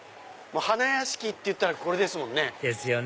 花やしきっていったらこれです。ですよね